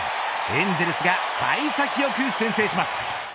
エンゼルスが幸先良く先制します。